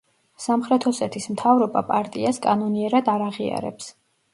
სამხრეთ ოსეთის მთავრობა პარტიას კანონიერად არ აღიარებს.